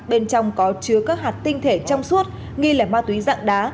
bên trong có chứa các hạt tinh thể trong suốt nghi lẻ ma túy dạng đá